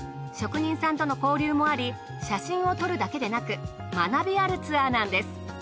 職人さんとの交流もあり写真を撮るだけでなく学びあるツアーなんです。